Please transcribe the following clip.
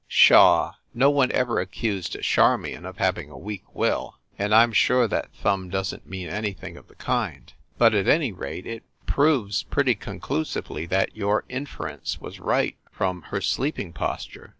"Pshaw! No one ever accused a Charmion of having a weak will ; and I m sure that thumb doesn t mean anything of the kind. But, at any rate, it proves pretty conclusively that your inference was right from her sleeping posture.